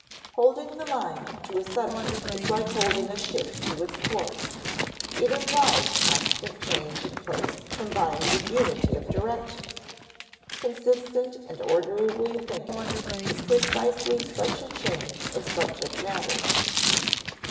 Holding the mind to a subject is like holding a ship to its course; it implies constant change of place combined with unity of direction. Consistent and orderly thinking is precisely such a change of subject matter.